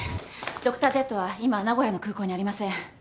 ドクタージェットは今は名古屋の空港にありません。